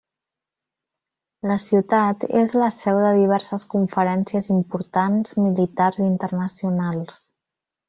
La ciutat és la seu de diverses conferències importants militars internacionals.